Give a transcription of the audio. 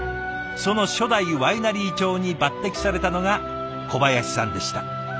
その初代ワイナリー長に抜てきされたのが小林さんでした。